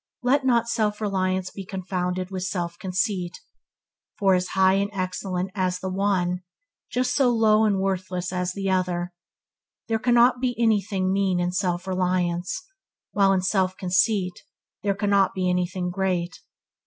Let not self reliance be confounded with self conceit, for as high and excellent as is the one, just so low and worthless is other. There cannot be anything mean in self reliance, while in self conceit there cannot be anything great.